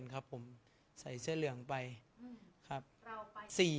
สงฆาตเจริญสงฆาตเจริญ